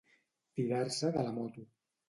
Tirar-se de la moto.